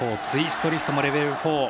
４ツイストリフトもレベル４。